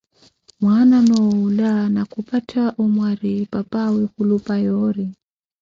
Mwaana noowula ni khupattha omwari, papawe khulupa yoori.